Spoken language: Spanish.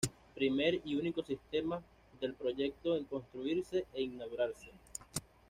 Primer y único sistema del proyecto en construirse e inaugurarse.